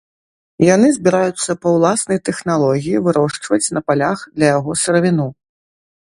Яны збіраюцца па ўласнай тэхналогіі вырошчваць на палях для яго сыравіну.